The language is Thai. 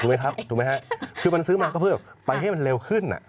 ถูกไหมครับคือมันซื้อมาเพื่อปล่อยให้มันเร็วขึ้น